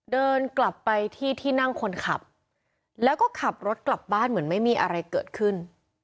เดินกลับไปที่ที่นั่งคนขับแล้วก็ขับรถกลับบ้านเหมือนไม่มีอะไรเกิดขึ้น